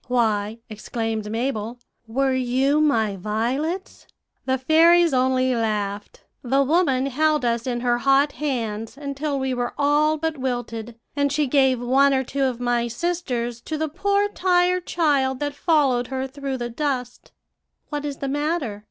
"'Why,' exclaimed Mabel, 'were you my violets?' "The fairies only laughed. "'The woman held us in her hot hands until we were all but wilted, and she gave one or two of my sisters to the poor tired child that followed her through the dust.' "'What is the matter?'